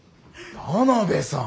田邊さん！